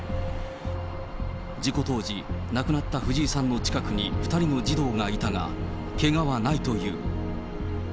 事故当時、亡くなった藤井さんの近くに２人の児童がいたが、けがはないという。